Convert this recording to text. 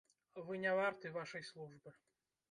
Вы не варты вашай службы.